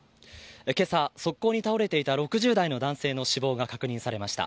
今朝、側溝に倒れていた６０代の男性の死亡が確認されました。